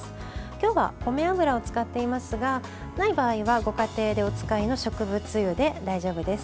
今日は米油を使っていますがない場合はご家庭でお使いの植物油で大丈夫です。